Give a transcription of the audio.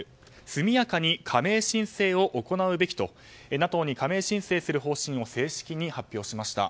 速やかに加盟申請を行うべきとＮＡＴＯに加盟申請する方針を正式に発表しました。